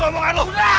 gue kasih cinta